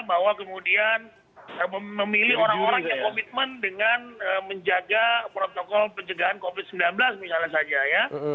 bahwa kemudian memilih orang orang yang komitmen dengan menjaga protokol pencegahan covid sembilan belas misalnya saja ya